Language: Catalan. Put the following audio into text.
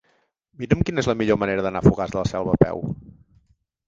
Mira'm quina és la millor manera d'anar a Fogars de la Selva a peu.